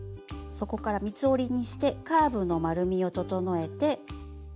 そこから三つ折りにしてカーブの丸みを整えて。